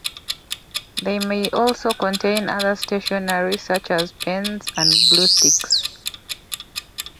They may also contain other stationery such as pens and glue sticks.